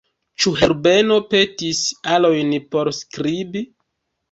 Ĉu Herbeno petis ilojn por skribi?